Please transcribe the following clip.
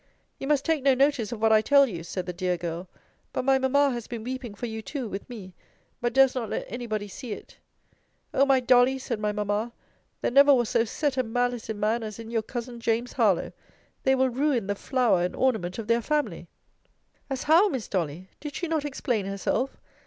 You must take no notice of what I tell you, said the dear girl: but my mamma has been weeping for you, too, with me; but durst not let any body see it: O my Dolly, said my mamma, there never was so set a malice in man as in your cousin James Harlowe. They will ruin the flower and ornament of their family. As how, Miss Dolly? Did she not explain herself?